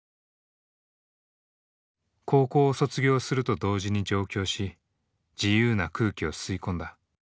高校を卒業すると同時に上京し自由な空気を吸い込んだ。